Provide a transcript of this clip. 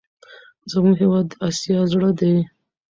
زموږ هېواد د اسیا زړه دی.